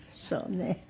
そうね。